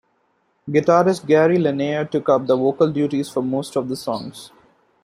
Guitarist Gary Lenaire took up the vocal duties for most of the songs.